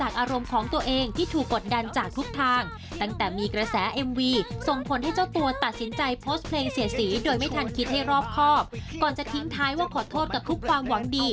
ก่อนจะทิ้งท้ายว่าขอโทษกับทุกความหวังดี